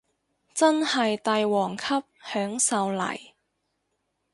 真係帝王級享受嚟